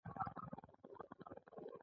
د یو توکي ارزښت د نورو توکو په وسیله بیانېږي